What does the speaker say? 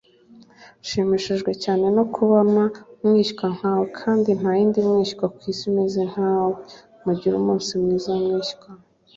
nshimishijwe cyane no kubona mwishywa nkawe kandi ntayindi mwishywa kwisi umeze nkawe. mugire umunsi mwiza mwishywa